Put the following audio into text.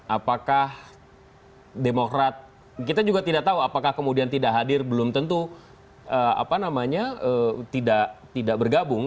apakah demokrat kita juga tidak tahu apakah kemudian tidak hadir belum tentu tidak bergabung